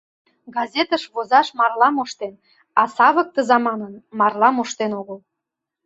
Газетыш возаш марла моштен, а «савыктыза» манын, марла моштен огыл.